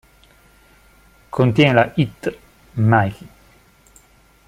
Contiene la "hit" "Mickey".